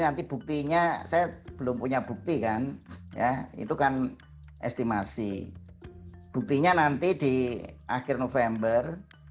nanti buktinya saya belum punya bukti kan ya itu kan estimasi buktinya nanti di akhir november